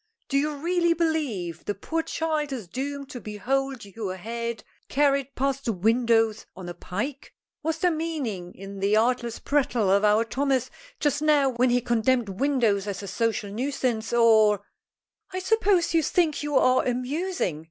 Do you really believe the poor child is doomed to behold your head carried past the windows on a pike? Was there meaning in the artless prattle of our Thomas just now when he condemned windows as a social nuisance, or " "I suppose you think you are amusing!"